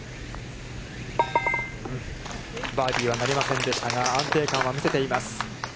バーディーはなりませんでしたが、安定感は見せています。